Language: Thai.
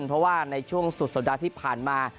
เพราะว่าในช่วงสุดสัปดาห์ที่ผ่านมา